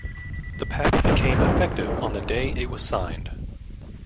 The pact became effective on the day it was signed.